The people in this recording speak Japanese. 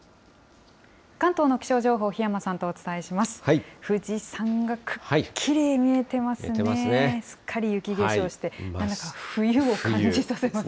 関東の気象情報、檜山さんとお伝えします。